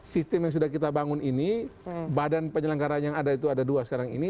sistem yang sudah kita bangun ini badan penyelenggara yang ada itu ada dua sekarang ini